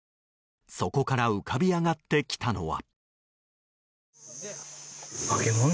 そこから浮かび上がってきたのは。